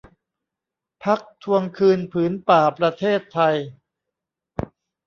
พรรคทวงคืนผืนป่าประเทศไทย